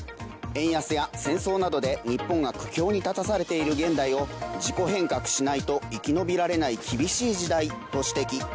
円安や戦争などで、日本が苦境に立たされている現代を自己変革しないと生き延びられない厳しい時代と指摘。